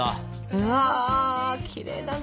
うわきれいだね。